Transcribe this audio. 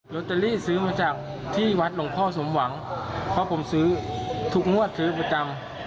ลอตเตอรี่ซื้อมาจากที่วัดหลวงพ่อสมหวังเพราะผมซื้อทุกงวดซื้อประจำ